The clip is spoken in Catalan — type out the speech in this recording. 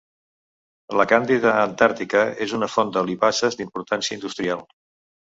La "Candida antarctica" és una font de lipases d'importància industrial.